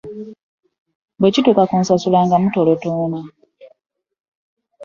Bwe kituuka ku nsasula nga mutolotooma.